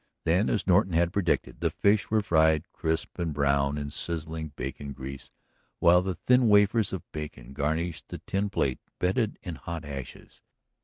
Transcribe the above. Then, as Norton had predicted, the fish were fried, crisp and brown, in sizzling bacon grease, while the thin wafers of bacon garnished the tin plate bedded in hot ashes.